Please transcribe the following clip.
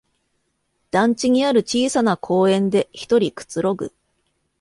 団地にある小さな公園でひとりくつろぐ